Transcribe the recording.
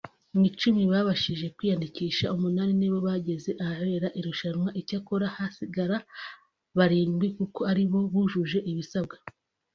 mu icumi babashije kwiyandikisha umunani ni bo bageze ahabera irushanwa icyakora hasigara barindwi kuko ari bo bujuje ibisabwa